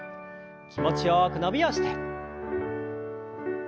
気持ちよく伸びをして。